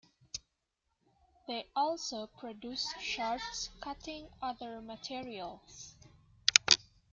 They also produce shards cutting other materials.